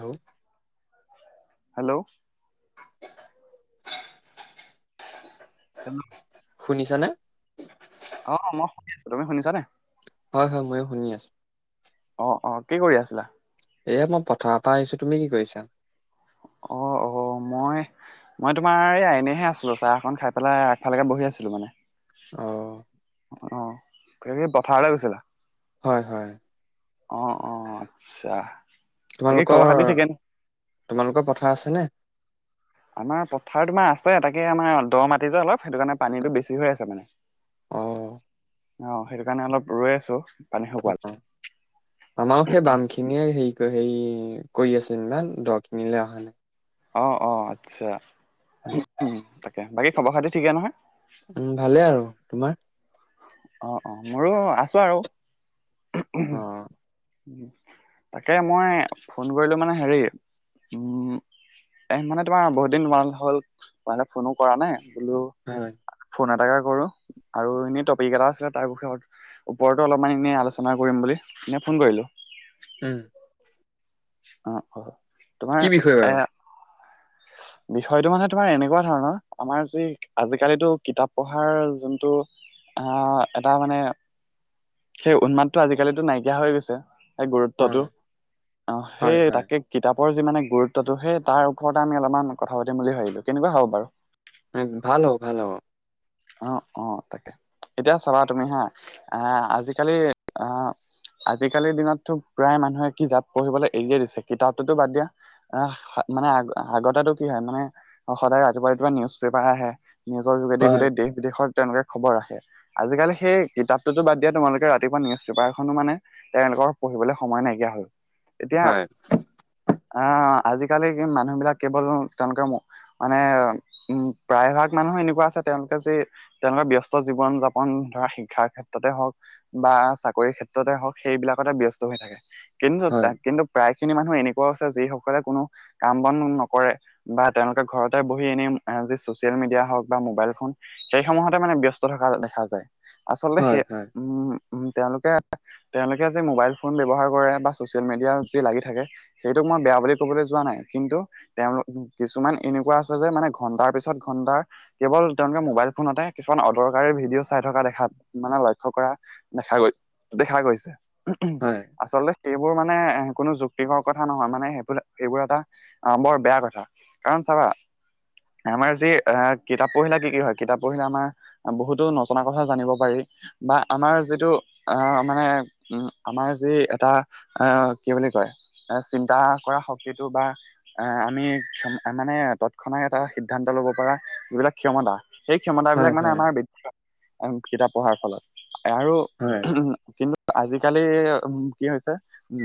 Hello hello [inaudible] শুনিছানে? অ' মই শুনি আছো, তুমি শুনিছা নাই? হয় হয়, মইয়ো শুনি আছো। অ' কি কৰি আছিলা? এই মই পথাৰৰ পৰা আহিছো, তুমি কি কৰিছা? অ' অ' মই মই তোমাৰ এই এইনেহে আছিলো। চাহ অকণ খাই পেলাই আগফালেকে বহি আছিলো মানে। অ' অ' তুমি কি পথাৰলে গৈছিলা? হয়। অ' অ' আচ্ছা। বাকী খবৰ তোমালোকৰ খাতি ঠিকে নে তোমালোকৰ পথাৰ আছেনে? আমাৰ পথাৰ তোমাৰ আছে, তাকে আমাৰ দ মাটি যে অলপ সেইটো কাৰণে পানীটো বেছি হৈ আছে মানে। অ অ' সেইটো কাৰণে অলপ ৰৈ আছো। পানী [unintelligible] শুকোৱালে খিনিয়ে হেৰি হে কৰি আছে ইমান দ খিনিলে অহা নাই। অ' অ' আচ্ছা। উম, [inaudible] তাকে বাকী খবৰ খাতি ঠিকে নহয়? উম ভালে আৰু তোমাৰ? অ অ। মোৰো আছো আৰু। অ তাকে মই ফোন কৰিলো মানে হেৰি, উম। এ মানে তোমাৰ বহুত দিন মান হ'ল, তোমালে ফোনো কৰা নাই। বোলো হয়। ফোন এটাকে কৰো আৰু এনে ত এটা আছিলে তাৰ বিষয়ত ওপৰতো অলপমান এনে আলোচনা কৰিম বুলি, এনেই ফোন কৰিলো। উম। অ অ। তোমাৰ কি এ বিষয়ৰ? বিষয়টো মানে তোমাৰ এনেকুৱা ধৰণৰ। আমাৰ যি আজিকালি টো কিতাপ পঢ়াৰ যোনটো। আহ এটা মানে সেই উন্মাদটো আজিকালিটো নাইকিয়া হৈ গৈছে। সে অ গুৰুত্বটো। অ, সেই হয় হয় তাকে কিতাপৰ যি মানে গুৰুত্বটো। সেই তাৰ ওপৰত টা আমি অলপমান কথা পাতিম বুলি ভাবিলো। কেনেকুৱা হ'ব বাৰু? ভাল হ'ব ভাল হ'ব। অ অ তাকে। এতিয়া চাবা তুমি হা। আহ আজিকালি আহ। আজিকালিৰ দিনততো প্ৰায় মানুহে কিতাপ পঢ়িবলে এৰিয়ে দিছে। কিতাপটোতো বাদ দিয়া আ হা মানে আগ আগতেটো কি হয়? মানে, সদায় ৰাতিপুৱা ৰাতিপুৱা নিউজ পেপাৰ আহে। নিউজৰ যোগেদি হয় গোটেই দেশ বিদেশত তেওঁলোকে খবৰ ৰাখে। আজিকালি সেই কিতাপটোতো বাদ দিয়া। তোমালোকে ৰাতিপুৱা নিউজ পেপাৰখনো মানে তেওঁলোকৰ পঢ়িবলে সময় নাইকিয়া হল। এতিয়া হয় আহ আজিকালি মানুহ বিলাক কেৱল তেওঁলোকে মো মানে উম প্ৰায় ভাগ মানুহে এনেকুৱা আছে। তেওঁলোকে যে তেওঁলোকৰ ব্যস্ত জীৱন যাপন ধৰা শিক্ষাৰ ক্ষেত্ৰতে হওক, বা চাকৰি ক্ষেত্ৰতে হওক। সেইবিলাকতে ব্যস্ত হৈ থাকে। কিন্তু হয় তাক কিন্তু প্ৰায় খিনি মানুহ এনেকুৱাও আছে। যিসকলে কোনো কাম বন ন কৰে বা তেওঁলোকে ঘৰতে বহি এনে যি চচিয়েল মিডিয়া হওক বা মোবাইল ফোন। সেই সমূহতে মানে ব্যস্ত থকা দেখা যায়। আচলতে হয় সেই হয় উম। উম। তেওঁলোকে তেওঁলোকে যে মোবাইল ফোন ব্যৱহাৰ কৰে বা ছচিয়েল মিডিয়াত যি লাগি থাকে, সেইটোক মই বেয়া বুলি কবলে যোৱা নাই কিন্তু তেওঁ কিছুমান এনেকুৱা আছে যে মানে ঘণ্টাৰ পিছত ঘণ্টাৰ কেৱল তেওঁলোকে মোবাইল ফোনতে, কিছুমান অদৰকাৰী ভিডিঅ' চাই থকা দেখাত মানে লক্ষ্য কৰা দেখা গৈ দেখা গৈছে। হয় আচলতে সেইবোৰ মানে এ কোনো যুক্তিকৰ কথা নহয়, মানে সেই সেইবোৰ এটা অ বৰ বেয়া কথা, কাৰণ চাবা? আমাৰ যি এ কিতাপ পঢ়িলে কি কি হয়? কিতাপ পঢ়িলে আমাৰ বহুতো নজনা কথা জানিব পাৰি। বা আমাৰ যিটো আহ মানে উম আমাৰ যি এটা আহ কি বুলি কয়? এ চিন্তা কৰা শক্তিটো বা এ আমি ক্ষম আ মানে তৎক্ষণা এটা সিদ্ধান্ত ল'ব পৰা যিবিলাক ক্ষমতা, সেই ক্ষমতাবিলাক হয় মানে হয় আমাৰ [unintelligible] কিতাপ পঢ়াৰ ফলত। আৰু হয়। উম, কিন্তু আজিকালি উম কি হৈছে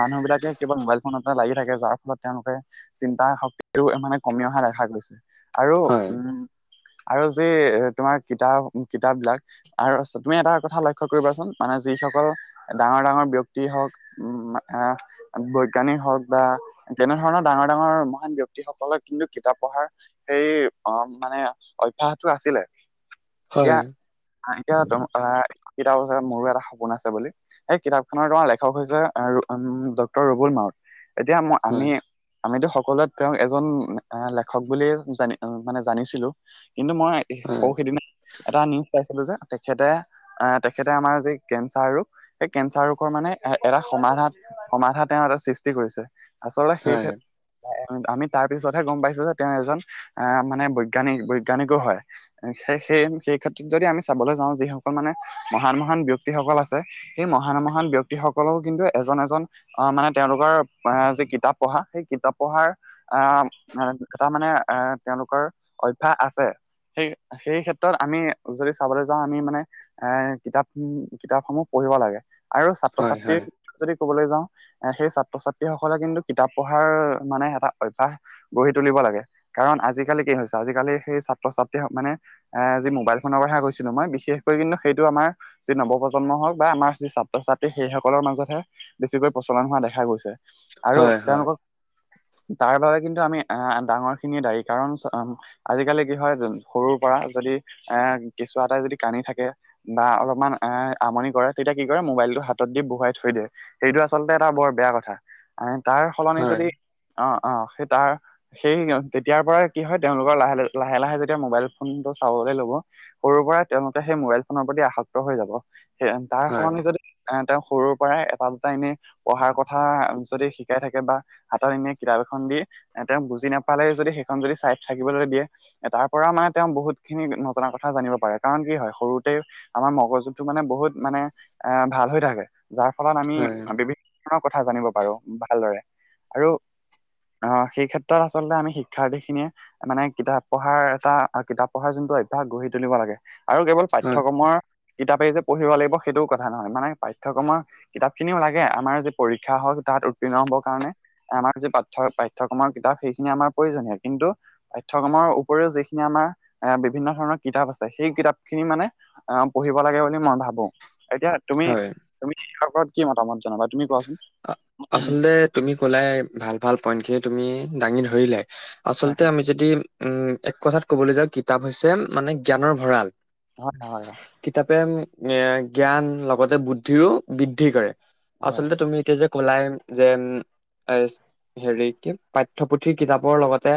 মানুহবিলাকে কেৱল মোবাইল ফোনত লাগি থাকে যাৰ ফলত তেওঁলোকে চিন্তাই হওঁক এইবোৰ মানে কমি অহা দেখা গৈছে, আৰু হয় উম, আৰু যে এ তোমাৰ কিতাপ -কিতাপ বিলাক আৰু তুমি এটা কথা লক্ষ্য কৰিবাচোন মানে যিসকল ডাঙৰ- ডাঙৰ ব্যক্তি হওক, উম, আহ বৈজ্ঞানিক হওক বা তেনেধৰণৰ ডাঙৰ- ডাঙৰ মহান ব্যক্তি ব্যক্তিসকলে কিন্তু কিতাপ পঢ়াৰ সেই মানে অভ্যাসটো আছিলে। এতিয়া হয় [unintelligible] যে মোৰো এটা সপোন আছে বুলি, এই কিতাপখনৰ তোমাৰ লেখক হৈছে উম ডক্টৰ ৰুবুল মাউত। এতিয়া ম আমি, হয় হয় হয় আমিতো সকলোৱে তেওঁক এজন লেখক বুলিয়ে জানি মানে জানিছিলো। কিন্তু মই সৌ-সেইদিনা এটা নিউজ পাইছিলো যে তেখেতে আহ তেখেতে আমাৰ যি কেঞ্চাৰ ৰোগ সেই কেঞ্চাৰ ৰোগৰ মানে এ এটা সমাধান সমাধা তেওঁ এটা সৃষ্টি কৰিছে। আচলতে সেই ক্ষে আমি তাৰ পিছতহে গম পাইছো যে তেওঁ এজন আহ মানে বৈজ্ঞানিক বৈজ্ঞানিকো হয়। সেই সেই সেই ক্ষেত্ৰত যদি আমি চাবলৈ যাওঁ যিসকল মানে মহান মহান ব্যক্তিসকল আছে সেই মহান- মহান ব্যক্তিসকলৰ কিন্তু এজন -এজন অ মানে তেওঁলোকৰ এ যি কিতাপ পঢ়া, সেই কিতাপ পঢ়াৰ আহ এটা মানে আহ, তেওঁলোকৰ অভ্যাস আছে। সেই সেই ক্ষেত্ৰত আমি যদি চাবলৈ যাওঁ আমি মানে এ কিতাপ-কিতাপসমূহ পঢ়িব লাগে, আৰু ছাত্ৰ হয় ছাত্ৰীৰ হয় যদি কবলৈ যাওঁ, সেই ছাত্ৰ - ছাত্ৰীসকলে কিন্তু কিতাপ পঢ়াৰ মানে এটা অভ্যাস গঢ়ি তুলিব লাগে। কাৰণ আজিকালি কি হৈছে, আজিকালি সেই ছাত্ৰ ছাত্ৰী মানে আহ যি মোবাইল ফোনৰ কথা কৈছিলো মই, বিশেষকৈ কিন্তু সেইটো আমাৰ যি নৱপ্ৰজন্ম হওক বা আমাৰ যি ছাত্ৰ -ছাত্ৰী সেইসকলৰ মাজতহে বেছিকৈ প্ৰচলন হোৱা দেখা গৈছে, আৰু হয় হয় তেওঁলোকক তাৰ বাবে কিন্তু আমি আহ ডাঙৰখিনিয়ে দায়ী কাৰণ আজিকালি কি হয় সৰুৰ পৰা যদি এ কেঁচুৱা এটাই যদি কান্দি থাকে বা অলপমান আমনি কৰে, তেতিয়া কি কৰে মোবাইলটো হাতত দি বহুৱাই থই দিয়ে। সেইটো আচলতে এটা বৰ বেয়া কথা। তাৰ সলনি হয়, যদি অ, অ সেই তাৰ সেই তেতিয়াৰ পৰা কি হয়, তেওঁলোকৰ লাহে, লাহে, লাহে যেতিয়া মোবাইল ফোনটো চাবলৈ লব সৰুৰ পৰাই তেওঁলোকে সেই মোবাইল ফোনৰ প্ৰতি আসক্ত হৈ যাব। সেইয়া তাৰ হয়, সলনি যদি এ তেওঁ সৰুৰ পৰাই এটা দুটা এনেই পঢ়াৰ কথা যদি শিকাই থাকে বা হাতত এনে কিতাপ এখন দি এ তেওঁ বুজি নাপালে যদি সেইখন যদি চাই থাকিবলৈ দিয়ে তাৰ পৰা মানে তেওঁ বহুত খিনি নজনা কথা জানিব পাৰে, কাৰণ কি হয় সৰুতে আমাৰ মগজুটো মানে বহুত মানে এ ভাল হৈ থাকে। যাৰ ফলত আমি হয়, বিভিন্ন ধৰণৰ কথা জানিব পাৰো ভালদৰে। আৰু অ সেই ক্ষেত্ৰত আচলতে আমি শিক্ষাৰ্থীখিনিয়ে মানে কিতাপ পঢ়াৰ এটা, কিতাপ পঢ়াৰ যোনটো অভ্যাস গঢ়ি তুলিব লাগে আৰু কেৱল হয়, পাঠ্যক্ৰমৰ কিতাপেই যে পঢ়িব লাগিব সেইটোও কথা নহয়। মানে পাঠ্যক্ৰমৰ কিতাপখিনিও লাগে আমাৰ যি পৰীক্ষা হওক তাত উত্তীৰ্ণ হবৰ কাৰণে। আমাৰ য পাঠ্য পাঠ্যক্ৰমৰ কিতাপ সেইখিনি আমাৰ প্ৰয়োজনীয়, কিন্তু পাঠ্যক্ৰমৰ উপৰিও যিখিনি আমাৰ এ বিভিন্ন ধৰণৰ কিতাপ আছে সেই কিতাপখিনি মানে অ পঢ়িব লাগে বুলি মই ভাবো। এতিয়া তুমি, হয়। তুমি বিষয়ৰ ওপৰত কি মতামত জনাবা? তুমি কোৱাচোন আচলতে তুমি কলায়ে ভাল ভাল পইন্ট খিনি তুমি দাঙি ধৰিলাই হয় আচলতে আমি যদি উম এক কথাত কবলৈ যাওঁ কিতাপ হৈছে মানে জ্ঞানৰ ভঁৰাল। হয় হয় হয়। কিতাপে এ জ্ঞান লগতে বুদ্ধিৰো বৃদ্ধি কৰে। হয় আচলতে তুমি এতিয়া যে কলাই যে হেৰি কি পাঠ্যপুথিৰ কিতাপৰ লগতে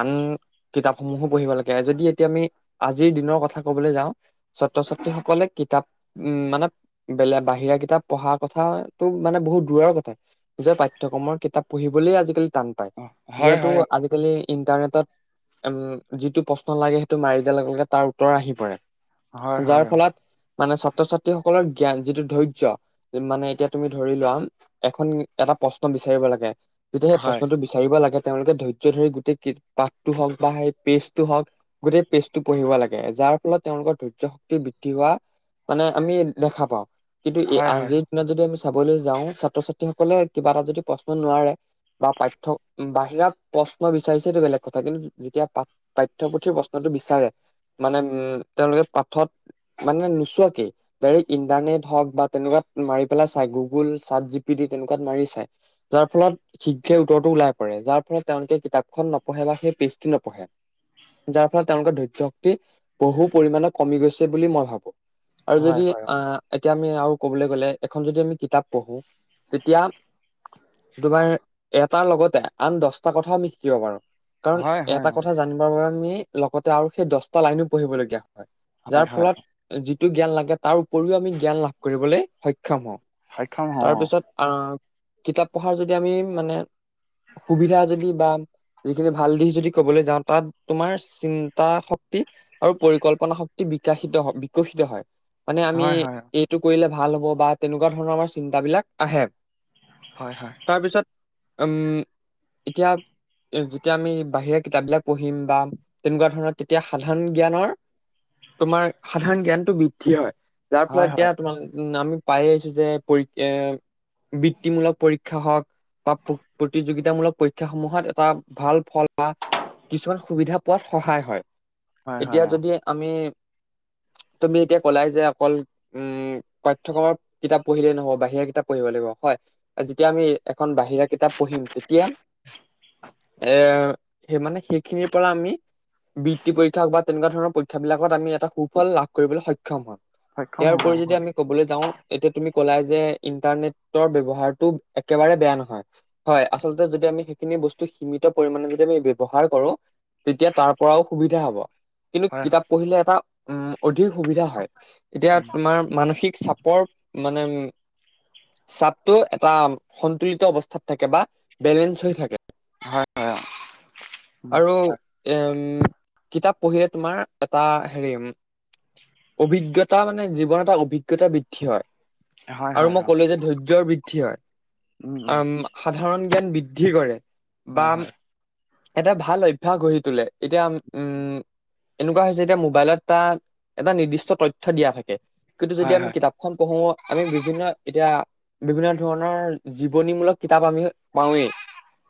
আন কিতাপ সমূহো পঢ়িব লাগে যদি এতিয়া আমি আজিৰ দিনৰ কথা কবলৈ যাওঁ ছাত্ৰ ছাত্ৰী সকলে কিতাপ উ মানে বেলে বাহিৰা কিতাপ পঢ়াৰ কথা মানে বহুত দূৰৰ কথা যে পাঠ্যক্ৰমৰ কিতাপ পঢ়িবলৈ আজিকালি টান। অ হয় যিহেতু হয় আজিকালি ইন্টাৰনেটত উম যিটো প্ৰশ্ন লাগে সেইটো মাৰি দিয়াৰ লগে লগে তাৰ উত্তৰ আহি পৰে। অ হয় যাৰ হয় অ ফলত মানে ছাত্ৰ ছাত্ৰীসকলৰ জ্ঞান যিটো ধৈৰ্য্য মানে এতিয়া তুমি ধৰি লোৱা এখন এটা প্ৰশ্ন বিচাৰিব লাগে যেতিয়া সেই হয় প্ৰশ্নটো কৰিব লাগে তেওঁলোকে ধৈৰ্য্য ধৰি গোটেই পাঠটো হওক বা সেই পেজটো হওক গোটেই পেজটো পঢ়িব লাগে যাৰ ফলত তেওঁলোকৰ ধৈৰ্য শক্তি বৃদ্ধি হোৱা মানে আমি দেখা পাওঁ কিন্তু হয় হয় আজিৰ দিনত যদি আমি চাবলৈ যাওঁ ছাত্ৰ ছাত্ৰী সকলে কিবা এটা যদি প্ৰশ্ন নোৱাৰে বা পাঠ্য বাহিৰা প্ৰশ্ন বিচাৰিছে এইটো বেলেগ কথা কিন্তু যেতিয়া পাঠ পাঠ্যপুথিৰ প্ৰশ্নটো বিচাৰে মানে উ তেওঁলোকে পাঠত মানে নোচোৱাকে ডাৰেক্ট ইন্টাৰনেট হওক বা তেনেকুৱা মাৰি পেলাই গুগল চাৰ্ট জি পি ডিত তেনেকুৱাত মাৰি চাই যাৰ ফলত শীঘ্ৰে উত্তৰটো ওলাই পৰে যাৰ ফলত তেওঁলোকে কিতাপখন নপঢ়ে বা সেই পেজটো নপঢ়ে। যাৰ ফলত তেওঁলোকৰ ধৈৰ্য শক্তি বহু পৰিমানত কমি গৈছে বুলি মই ভাবোঁ। আৰু হয় যদি হয় আহ এতিয়া আমি আৰু কবলৈ গ'লে এখন যদি আমি কিতাপ পঢ়ো তেতিয়া তোমাৰ এটাৰ লগতে আন দহটাৰ কথাও আমি শিকিব পাৰোঁ। অ কাৰণ হয় হয় এটা কথা জানিবৰ বাবে আমি লগতে আৰু সেই দহটা লাইনো পঢ়িবলগীয়া অ হয় যাৰ হয় ফলত যিটো জ্ঞান লাগে তাৰ উপৰিও আমি জ্ঞান লাভ কৰিবলৈ সক্ষম হওঁ। সক্ষম হওঁ তাৰপিছত আহ কিতাপ পঢ়াৰ যদি আমি মানে সুবিধা যদি বা যিখিনি ভাল দিশ যদি ক'বলৈ যাওঁ তাত তোমাৰ চিন্তা শক্তি আৰু পৰিকল্পনা শক্তি বিকাশিত হয় বিকশিত হয়। মানে অ আমি হয় হয় এইটো কৰিলে ভাল হ'ব বা তেনেকুৱা ধৰণৰ আমাৰ চিন্তা বিলাক আহে। হয় হয়। তাৰপিছত উম এতিয়া যেতিয়া আমি বাহিৰা কিতাপ বিলাক পঢ়িম বা তেনেকুৱা ধৰণৰ তেতিয়া সাধাৰণ জ্ঞানৰ তোমাৰ সাধাৰণ জ্ঞানটো বৃদ্ধি হয় যাৰ ফলত হয় এতিয়া হয় তোমাৰ উম আমি পাই আহিছো যে পৰীক্ষ এ বৃত্তিমূলক পৰীক্ষা হওক। বা প্ৰতিযোগিতামূলক পৰীক্ষা সমূহত এটা ভাল ফল বা কিছুমান সুবিধা পোৱাত সহায় হয় হয় হয় এতিয়া অ যদি আমি তুমি এতিয়া কলাই যে অকল উম পাঠ্যক্ৰমৰ কিতাপ পঢ়িলেই নহব বাহিৰা কিতাপ পঢ়িব লাগিব হয় যেতিয়া আমি এখন বাহিৰা কিতাপ পঢ়িম তেতিয়া এ সেই মানে সেইখিনিৰ পৰা আমি বৃত্তি পৰীক্ষাক বা তেনেকুৱা ধৰণৰৰ পৰী ক্ষাৰ বিলাকত আমি এটা সুফল লাভ কৰিবলৈ সক্ষম হম সক্ষম ইয়াৰ হওঁ উপৰি অ যদি আমি ক'বলৈ যাওঁ এতিয়া তুমি কলাই যে ইন্টাৰনেটৰ ব্যৱহাৰটো একেবাৰে বেয়া নহয়। হয় আচলতে যদি আমি সেইখিনি বস্তু সীমিত পৰিমাণে যদি আমি ব্যৱহাৰ কৰো তেতিয়া তাৰ পৰাও সুবিধা হ'ব কিন্তু হয় হয় হয় কিতাপ পঢ়িলে এটা উম অধিক সুবিধা হয় এতিয়া তোমাৰ মানসিক চাপ পৰ মানে উম চাপটো এটা সন্তুলিত অৱস্থাত থাকে বা বেলেঞ্চ হৈ থাকে হয় হয় আৰু এম কিতাপ পঢ়িলে তোমাৰ এটা হেৰি অভিজ্ঞতা মানে জীৱন এটা অভিজ্ঞতা বৃদ্ধি হয় হয় হয় অ উম হয় হয় আৰু হয় মই অ ক'লো যে ধৈৰ্যৰ বৃদ্ধি হয় উম সাধাৰণ জ্ঞান বৃদ্ধি কৰে বা হয় হয় এটা ভাল অভ্যাস গঢ়ি তোলে এতিয়া উম এনেকুৱা হৈছে এতিয়া মোবাইলত এটা এটা নিৰ্দিষ্ট তথ্য দিয়া থাকে কিন্তু যদি হয় আমি হয় কিতাপ খন পঢ়ো আমি বিভিন্ন এতিয়া বিভিন্ন ধৰণৰ জীৱনীমূলক কিতাপ আমি পাওঁৱেই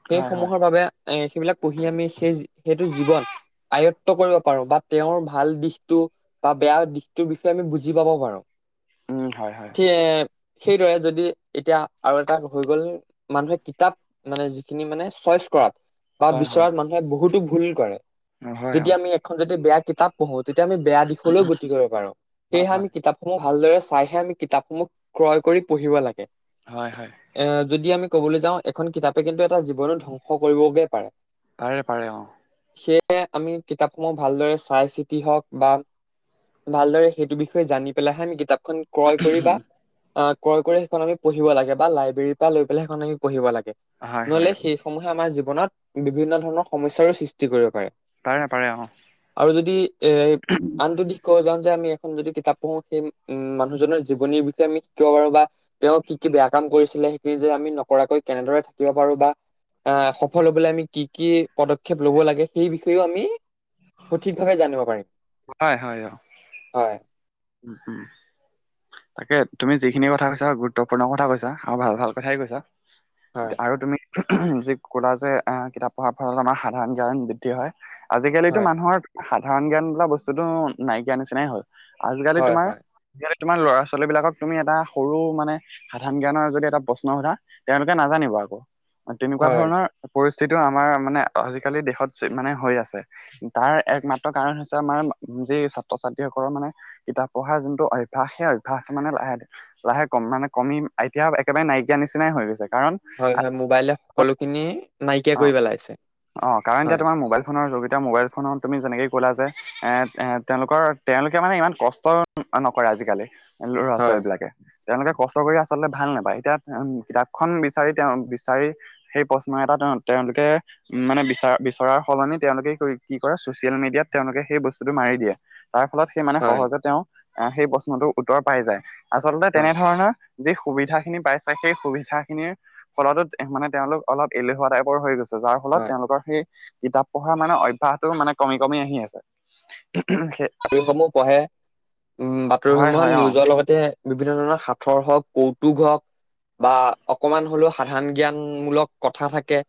সেই হয় হয় সমূহৰ বাবে এ সেইবিলাক পঢ়ি আমি সেই সেইটো জীৱন আয়ক্ত কৰিব পাৰো বা তেওঁৰ ভাল দিশটো বা বেয়া দিশটোৰ বিষয়ে আমি বুজি পাব পাৰোঁ উম হয় হয় অ সেইদৰে যদি এতিয়া আৰু এটা হৈ গ'ল মানুহে কিতাপ মানে যিখিনি মানে চইচ কৰাত বা হয় হয় বিচৰাত মানুহে বহুতো ভুল কৰে হয় অ হয় যদি আমি এখন যদি বেয়া কিতাপ পঢ়ো তেতিয়া আমি বেয়া দিশলৈ গতি কৰিব পাৰো সেয়ে হয় আমি কিতাপ সমূহ ভালদৰে চাইহে আমি কিতাপসমূহ ক্ৰয় কৰি পঢ়িব লাগে হয় হয় এ যদি আমি কবলৈ যাওঁ এখন কিতাপে কিন্তু এটা জীৱনো ধ্বংস কৰিবগৈ পাৰে পাৰে পাৰে অঁ সেয়ে আমি কিতাপসমূহ ভালদৰে চাই চিতি হওক বা ভালদৰে সেইটো বিষয়ে জানি পেলাইহে আমি কিতাপখন ক্ৰয় কৰি বা অ ক্ৰয় কৰি সেইখন আমি পঢ়িব লাগে বা লাইব্ৰেৰীৰ পৰা লৈ পেলাই সেইখন আমি পঢ়িব লাগে হয় হয় নহ'লে অ সেইসমূহে আমাৰ জীৱনত বিভিন্ন ধৰণৰ সমস্যাৰো সৃষ্টি কৰিব পাৰে পাৰে পাৰে অঁ আৰু যদি এ আনটো দিশ ক'ব যাওঁ যে আমি এখন যদি কিতাপ পঢ়ো সেই উম মানুহজনৰ জীৱনীৰ বিষয়ে আমি শিকিব পাৰো বা তেওঁ কি কি বেয়া কাম কৰিছিলে সেইখিনি যে আমি নকৰাকৈ কেনেদৰে থাকিব পাৰো বা আ সফল হবলৈ আমি কি কি পদক্ষেপ লব লাগে সেই বিষয়েও আমি সঠিক ভাৱে জানিব পাৰিম। হয় হয় অ হয়। উম তাকে তুমি যিখিনি কথা কৈছা গুৰুত্বপূৰ্ণ কথা কৈছা আৰু ভাল ভাল কথাই কৈছা। হয় এতিয়া আৰু তুমি উম যি ক'লা যে আহ কিতাপ পঢ়াৰ ফলত আমাৰ সাধাৰণ জ্ঞান বৃদ্ধি হয় আজিকালিতো হয় মানুহৰ সাধাৰণ জ্ঞান বোলা বস্তুটো নাইকিয়া নিচিনাই হ'ল। আজিকালি হয় তোমাৰ হয় আজিকালি তোমাৰ ল'ৰা-ছোৱালী বিলাকক তুমি এটা সৰু মানে সাধাৰণ জ্ঞানৰ যদি এটা প্ৰশ্ন সোধা তেওঁলোকে নাজানিব আকৌ তেনেকুৱা হয় ধৰণৰ পৰিস্থিতিও আমাৰ মানে আজিকালি দেশত মানে হৈ আছে। তাৰ একমাত্ৰ কাৰণ হৈছে আমাৰ যি ছাত্ৰ-ছাত্ৰীসকলৰ মানে কিতাপ পঢ়াৰ যোনটো অভ্যাস সেই অভ্যাসটো মানে লাহে লাহে কম মানে কমি এতিয়া একেবাৰে নাইকিয়া নিচিনাই হৈ গৈছে কাৰণ হয় হয় মোবাইলে সকলোখিনি নাইকিয়া অ কৰি পেলাইছে অ কাৰণ এতিয়া হয়। তোমাৰ মোবাইল ফোনৰ যোগিতা মোবাইল ফোনত যেনেকে ক'লা যে মে এত এত তেওঁলোকৰ তেওঁলোকে কিয় মানে ইমান কষ্ট অ নকৰে আজিকালি ল'ৰা হয়, ছোৱালী বিলাকে। তেওঁলোকে কষ্ট কৰি আচলতে ভাল নেপায়। এতিয়া কিতাপখন বিচাৰি তেওঁ বিচাৰি সেই প্ৰশ্ন এটা তেওঁ তেওঁলোকে উম মানে বিচাৰ বিচৰাৰ সলনি তেওঁলোকে কি কৰে চচিয়েল মিডিয়াত তেওঁলোকে সেই বস্তুটো মাৰি দিয়ে। তাৰ ফলত সেই মানে হয়, সহজে তেওঁ আহ সেই প্ৰশ্নটোৰ উত্তৰ পাই যায়। আচলতে হয়, তেনেধৰণৰ যি সুবিধাখিনি পাইছা, সেই সুবিধাখিনিৰ ফলতত এহ মানে তেওঁলোক অলপ এলেহুৱা টাইপৰ হৈ গৈছে যাৰ ফলত হয়। তেওঁলোকৰ সেই কিতাপ পঢ়াৰ মানে অভ্যাসটো মানে কমি কমি আহি আছে। সে বাতৰিসমূহ পঢ়ে উম হয় বাতৰিসমূহত হয় অ নিউজৰ লগত তে বিভিন্ন ধৰণৰ সাঁথৰ হওঁক কৌতুক হওঁক বা অকমান হ'লেও সাধাৰণ জ্ঞানমূলক কথা থাকে।